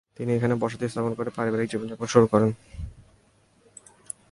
তিনি এখানেই বসতি স্থাপন করে পরিবারিক জীবন যাপন শুরু করেন।